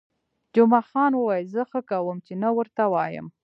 جمعه خان وویل: زه ښه کوم، چې نه ورته وایم.